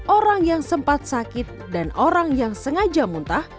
orang yang sempat sakit dan orang yang sengaja muntah